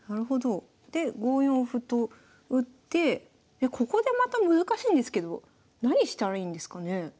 で５四歩と打ってでここでまた難しいんですけど何したらいいんですかね？